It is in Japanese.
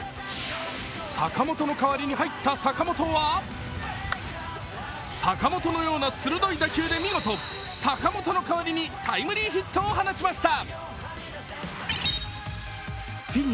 坂本の代わりに入った坂本は坂本のような鋭い打球で見事、坂本の代わりにタイムリーヒットを放ちました。